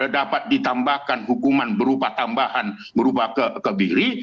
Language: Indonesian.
dapat ditambahkan hukuman berupa tambahan berupa kebiri